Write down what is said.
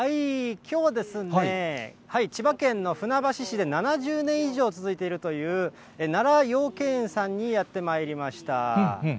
きょうは、千葉県の船橋市で７０年以上続いているという、奈良養鶏園さんにやってまいりました。